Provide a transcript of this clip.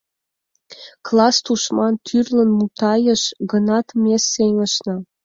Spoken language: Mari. Класс тушман тӱрлын мутайыш гынат, ме сеҥышна!